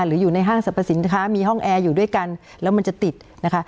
หรืออยู่ในห้างสรรพสินค้ามีห้องแอร์อยู่ด้วยกันแล้วมันจะติดนะคะ